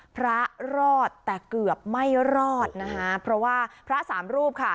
พระรอดแต่เกือบไม่รอดนะคะเพราะว่าพระสามรูปค่ะ